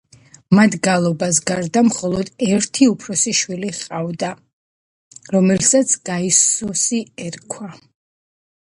მათ გალბას გარდა მხოლოდ ერთი, უფროსი შვილი ჰყავდათ, რომელსაც გაიუსი ერქვა.